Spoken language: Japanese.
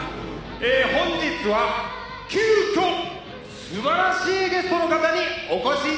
「本日は急きょ素晴らしいゲストの方にお越し頂きました」